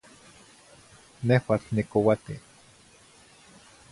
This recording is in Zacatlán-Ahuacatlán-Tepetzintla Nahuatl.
Nehuatl niccouati